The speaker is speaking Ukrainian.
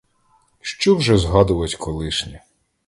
Що вже згадувать колишнє?